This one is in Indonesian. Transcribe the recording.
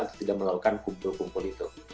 atau tidak melakukan kumpul kumpul itu